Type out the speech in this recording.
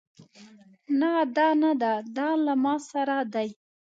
نه دا نده دا له ما سره دی